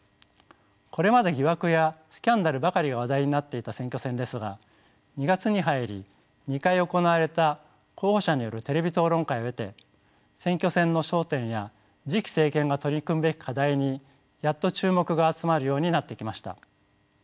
これまで疑惑やスキャンダルばかりが話題になっていた選挙戦ですが２月に入り２回行われた候補者によるテレビ討論会を経て選挙戦の争点や次期政権が取り組むべき課題にやっと注目が集まるようになってきました。